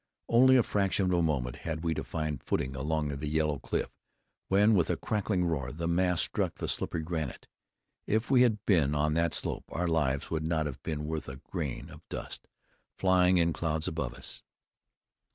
Only a fraction of a moment had we to find footing along the yellow cliff, when, with a cracking roar, the mass struck the slippery granite. If we had been on that slope, our lives would not have been worth a grain of the dust flying in clouds above us.